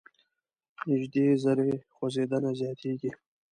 نژدې ذرې خوځیدنه زیاتیږي.